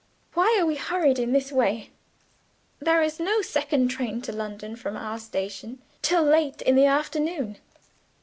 "Why are we hurried in this way? There is no second train to London, from our station, till late in the afternoon."